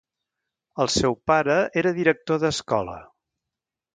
El seu pare era director d'escola.